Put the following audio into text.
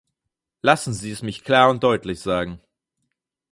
Lassen Sie es mich klar und deutlich sagen.